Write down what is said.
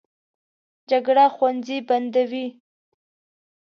جګړه ښوونځي بندوي